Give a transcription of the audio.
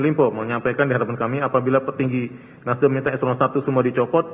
limpo menyampaikan di hadapan kami apabila petinggi nasdem minta s satu semua dicopot